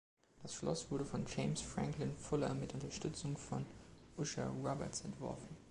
Das Schloss wurde von James Franklin Fuller mit Unterstützung von Ussher Roberts entworfen.